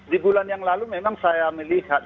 di bulan yang lalu memang saya melihat